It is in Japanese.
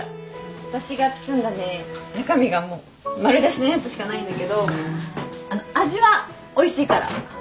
私が包んだね中身がもう丸出しのやつしかないんだけどあの味はおいしいから。